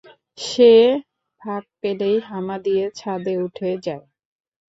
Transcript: সে ফাঁক পেলেই হামা দিয়ে ছাদে উঠে যায়।